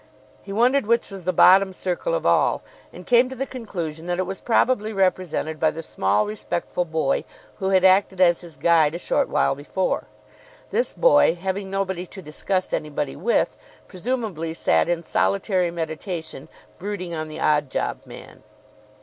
He wondered which was the bottom circle of all, and came to the conclusion that it was probably represented by the small respectful boy who had acted as his guide a short while before. This boy, having nobody to discuss anybody with, presumably sat in solitary meditation, brooding on the odd job man.